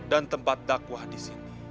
dan tempat dakwah di sini